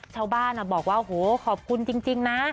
ชาวบ้านบอกว่าโหขอบคุณจริงนะ